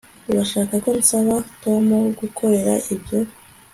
Urashaka ko nsaba Tom kugukorera ibyo